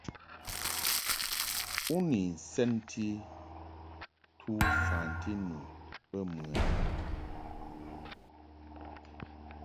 U ni nsɛnti tu fanti nu bə mɨ ɛ ?